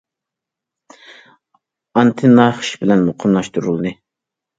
ئانتېننا خىش بىلەن مۇقىملاشتۇرۇلدى.